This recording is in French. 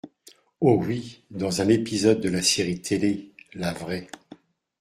Oh, oui. Dans un épisode de la série télé, la vraie